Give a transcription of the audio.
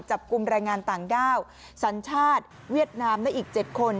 จับกลุ่มแรงงานต่างด้าวสัญชาติเวียดนามได้อีก๗คน